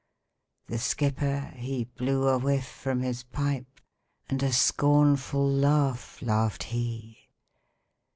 The skipper, he blew a whiff from his pipe, And a scornful laugh laughed he.